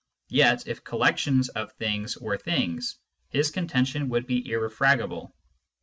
Yet if collections of things were things, his contention wovdd be irrefragable.